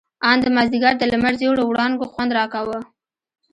ان د مازديګر د لمر زېړو وړانګو خوند راکاوه.